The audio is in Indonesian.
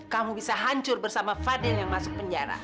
kamu bisa hancur bersama fadil yang masuk penjara